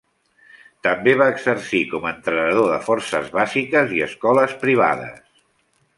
També va exercir com a entrenador de forces bàsiques i escoles privades.